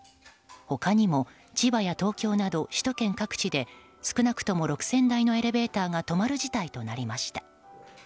他にも千葉や東京など首都圏各地で少なくとも６０００台のエレベーターが止まる事態となりました。